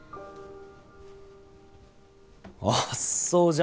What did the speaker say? あっそう。